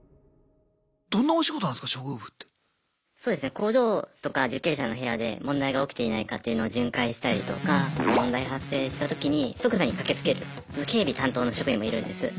工場とか受刑者の部屋で問題が起きていないかっていうのを巡回したりとか問題発生したときに即座に駆けつける警備担当の職員もいるんです。